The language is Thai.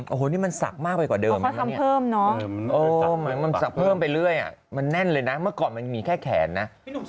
โอ้โหนี่มันสักมากไปกว่าเดิมนะมันสักเพิ่มไปเรื่อยมันแน่นเลยนะเมื่อก่อนมันมีแค่แขนนะ